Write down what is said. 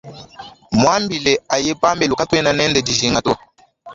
Muambila aye pambelu katuena nende dijinga to.